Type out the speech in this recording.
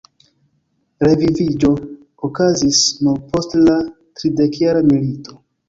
Reviviĝo okazis nur post la tridekjara milito.